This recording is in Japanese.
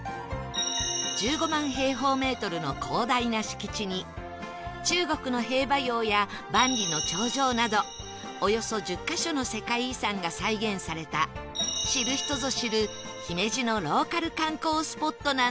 １５万平方メートルの広大な敷地に中国の兵馬俑や万里の長城などおよそ１０カ所の世界遺産が再現された知る人ぞ知る姫路のローカル観光スポットなんです